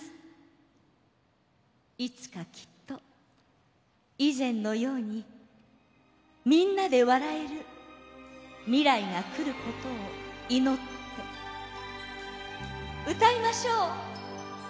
いつかきっと以前のようにみんなで笑える未来が来ることを祈って歌いましょう！